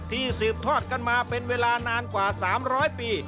สืบทอดกันมาเป็นเวลานานกว่า๓๐๐ปี